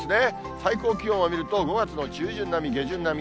最高気温を見ると、５月の中旬並み、下旬並み。